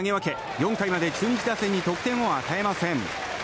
４回まで中日打線に得点を与えません。